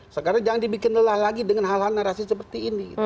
sekarang jangan dibikin lelah lagi dengan hal hal narasi seperti ini